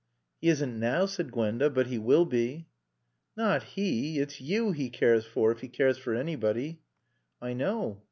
"He isn't now," said Gwenda. "But he will be." "Not he. It's you he cares for if he cares for anybody." "I know.